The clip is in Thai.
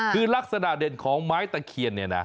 คือลักษณะเด่นของไม้ตะเคียนเนี่ยนะ